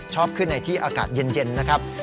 ชอบขึ้นในที่อากาศเย็นนะครับ